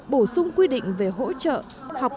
bổ sung quy định về hỗ trợ